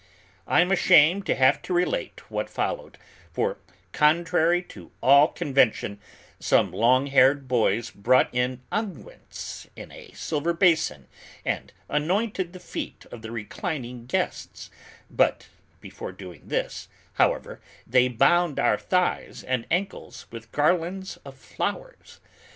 I am ashamed to have to relate what followed, for, contrary to all convention, some long haired boys brought in unguents in a silver basin and anointed the feet of the reclining guests; but before doing this, however, they bound our thighs and ankles with garlands of flowers.